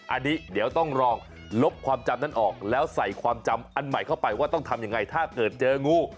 อันนี้เดี๋ยวต้องลองลบความจำนั้นออกแล้วใส่ความจำอันใหม่เข้าไปว่าต้องทำยังไงถ้าเกิดเจองู